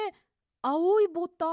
あおいボタン。